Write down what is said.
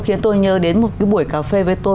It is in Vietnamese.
khiến tôi nhớ đến một cái buổi cà phê với tôi